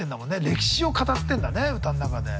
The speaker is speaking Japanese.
歴史を語ってんだね歌の中で。